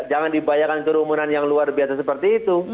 jangan dibayakan kerumunan yang luar biasa seperti itu